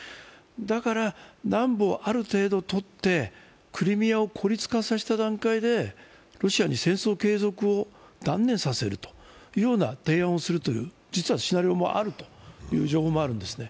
だから南部をある程度取ってクリミアを孤立化させた段階でロシアに戦争継続を断念させるというような提案をするという、実はシナリオもあるという情報もあるんですね。